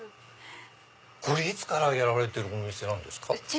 いつからやられてるお店なんですか？